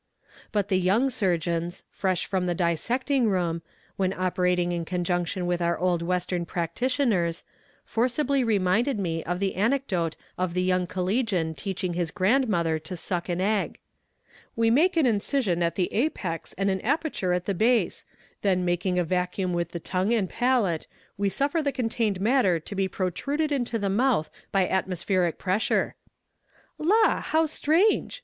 But the young surgeons, fresh from the dissecting room, when operating in conjunction with our old Western practitioners, forcibly reminded me of the anecdote of the young collegian teaching his grandmother to suck an egg: "We make an incision at the apex and an aperture at the base; then making a vacuum with the tongue and palate, we suffer the contained matter to be protruded into the mouth by atmospheric pressure." "La! how strange!"